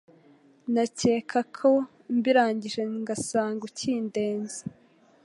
nakeka ko mbirangije ngasanga ukindenze